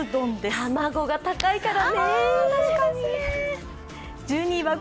卵が高いからねぇ。